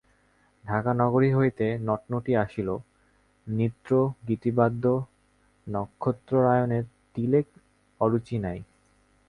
ঢাকা নগরী হইতে নটনটী আসিল, নৃত্যগীতবাদ্যে নক্ষত্ররায়ের তিলেক অরুচি নাই।